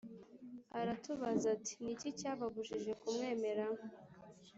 aratubaza ati ‘Ni iki cyababujije kumwemera?’